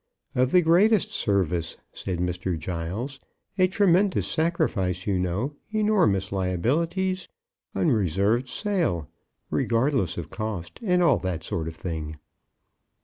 "Of the greatest service," said Mr. Giles. "A tremendous sacrifice, you know, enormous liabilities, unreserved sale, regardless of cost; and all that sort of thing."